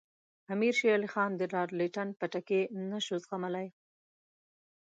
امیر شېر علي خان د لارډ لیټن پټکې نه شو زغملای.